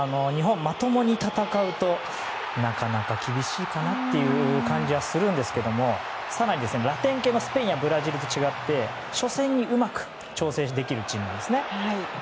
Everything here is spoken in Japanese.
日本、まともに戦うとなかなか厳しいかなという感じはするんですけど更に、ラテン系のスペインやブラジルと違って初戦にうまく調整できるチームですね。